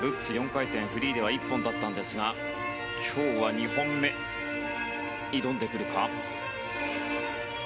４回転フリーでは１本だったんですが今日は２本目に挑んでくるか。